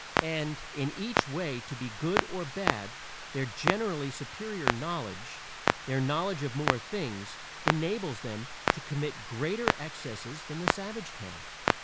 And in each way to be good or bad, their generally superior knowledge their knowledge of more things enables them to commit greater excesses than the savage can.